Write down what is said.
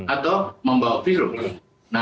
atau membawa virus